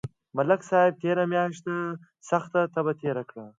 ملک صاحب تېره میاشت سخته تبه تېره کړه